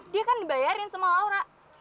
dia kan dibayarin sama laura